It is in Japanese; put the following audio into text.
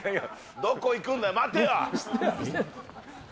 どこ行くんだよ、待てよ。